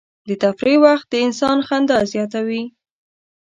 د تفریح وخت د انسان خندا زیاتوي.